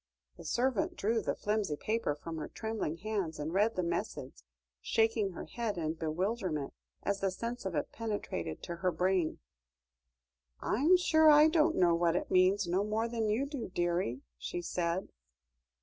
The servant drew the flimsy paper from her trembling hands and read the message, shaking her head in bewilderment, as the sense of it penetrated to her brain. "I'm sure I don't know what it means no more than you do, dearie," she said.